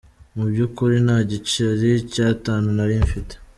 Mu by’ukuri nta n’igiceri cy’atanu nari mfite.